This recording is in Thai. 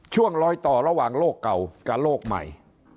ช่วงลอยต่อระหว่างโลกเก่ากับโลกใหม่